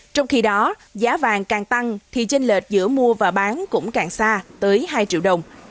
trong khi đó giá vàng càng tăng thì chênh lệch giữa mua và bán cũng càng xa tới hai triệu đồng